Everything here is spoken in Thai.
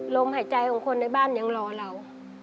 ลมหายใจของคนในบ้านยังรอเรา